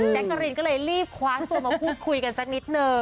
กะรีนก็เลยรีบคว้าตัวมาพูดคุยกันสักนิดนึง